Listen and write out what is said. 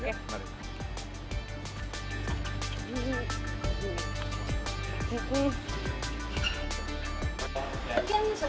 oke sekarang tempat kita berada sekarang wisma asmat